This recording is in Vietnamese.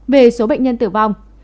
về số bệnh nhân tử vong